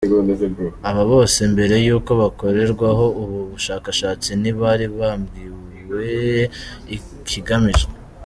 Aba bose, mbere y’uko bakorerwaho ubu bushakashatsi ntibari babwiwe ikigamijwe.